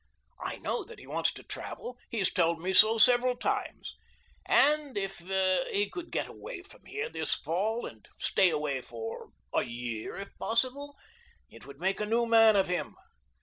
I know that he wants to travel. He has told me so several times, and if he could get away from here this fall and stay away for a year, if possible, it would make a new man of him.